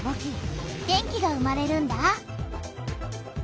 電気が生まれるんだ。